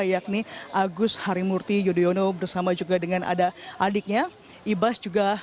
yakni agus harimurti yudhoyono bersama juga dengan ada adiknya ibas juga